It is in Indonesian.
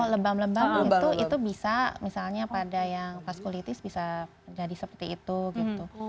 lebam lebam itu bisa misalnya pada yang vaskulitis bisa jadi seperti itu gitu